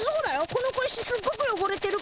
この小石すっごくよごれてるからね。